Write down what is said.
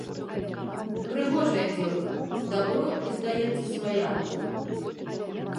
Прыгожая дзеўка, дабро, і, здаецца, свая.